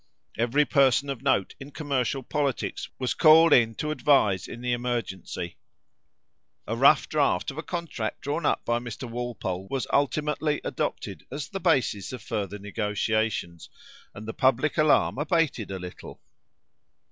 Every person of note in commercial politics was called in to advise in the emergency. A rough draft of a contract drawn up by Mr. Walpole was ultimately adopted as the basis of further negotiations, and the public alarm abated a little.